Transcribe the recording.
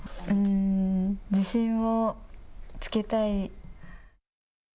自信をつけたい。